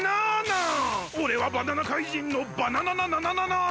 おれはバナナ怪人のバナナナナナナナーン！